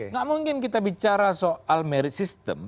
nggak mungkin kita bicara soal merit system